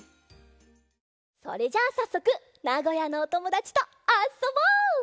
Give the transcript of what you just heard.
それじゃあさっそくなごやのおともだちとあそぼう！